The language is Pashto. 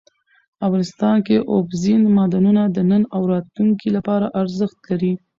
افغانستان کې اوبزین معدنونه د نن او راتلونکي لپاره ارزښت لري.